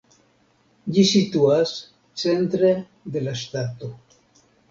Ĝi situas centre de la ŝtato.